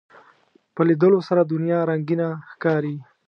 په لیدلو سره دنیا رنگینه ښکاري